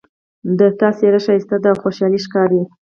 د تا څېره ښایسته ده او خوشحاله ښکاري